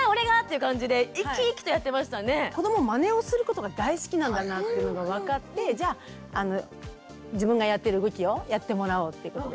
まねをすることが大好きなんだなっていうのが分かってじゃあ自分がやってる動きをやってもらおうってことで。